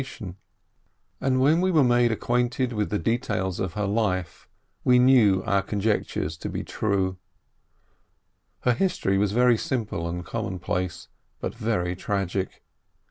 FORLORN AND FORSAKEN 297 And when we were made acquainted with the details of her life, we knew our conjectures to be true. Her history was very simple and commonplace, but very tragic.